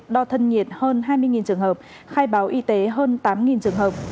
đo thân nhiệt hơn hai mươi trường hợp khai báo y tế hơn tám trường hợp